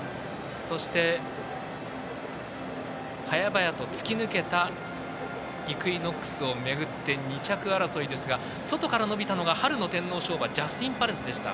そして、早々と突き抜けたイクイノックスをめぐって２着争いですが外から伸びたのが春の天皇賞馬ジャスティンパレスでした。